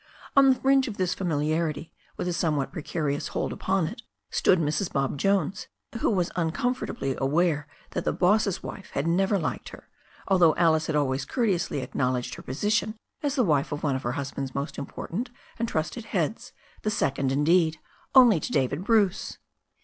On the fringe of this familiarity, with a somewhat precarious hold upon it, stood Mrs. Bob Jones, who was uncomfortably aware that the boss's wife had never liked her, although Alice had always courteously acknowledged her position as the wife of one of her husband's most important and trusted heads, the sec ond, indeed, only to David Bruce.